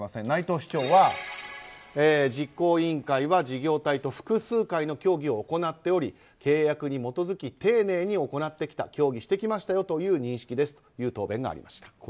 内藤市長は、実行委員会は事業体と複数回の協議を行っており契約に基づき丁寧に行ってきた協議してきましたよという認識ですという答弁がありました。